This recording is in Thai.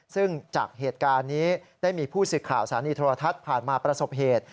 ซึ่งจากเหตุการณ์นี้ได้มีผู้สื่อข่าวสถานีโทรทัศน์ผ่านมาประสบเหตุ